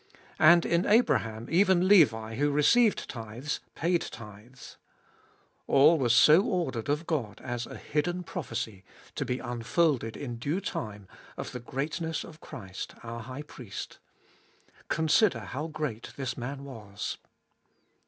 And in Abraham, even Levi, who received tithes, paid tithes. All was so ordered of God as a hidden prophecy, to be unfolded in due time, of the greatness of Christ our High Priest. Consider how great this man was.